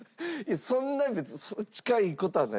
そんな別に近い事はないです。